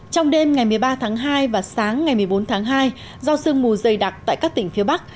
trong đêm ngày một mươi ba tháng hai và sáng ngày một mươi bốn tháng hai do sương mù dày đặc tại các tỉnh phía bắc